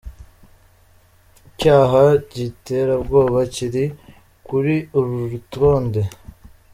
Icyaha cy’iterabwoba kiri kuri urwo rutonde.